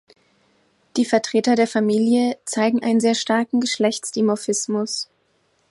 Die Vertreter der Familie zeigen einen sehr starken Geschlechtsdimorphismus.